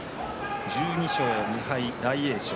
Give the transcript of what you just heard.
１２勝２敗、大栄翔。